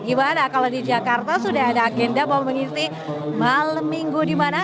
gimana kalau di jakarta sudah ada agenda mau mengisi malam minggu di mana